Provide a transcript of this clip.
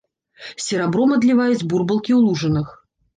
Серабром адліваюць бурбалкі ў лужынах.